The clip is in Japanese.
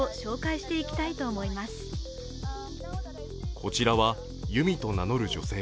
こちらはユミと名乗る女性。